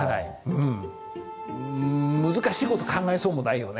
難しい事考えそうもないよね。